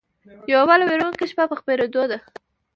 يوه بله وېرونکې شپه په خپرېدو ده